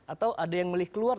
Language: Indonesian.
atau ada yang memilih keluar